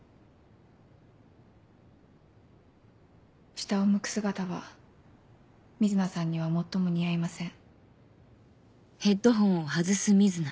下を向く姿は瑞奈さんには最も似合いません。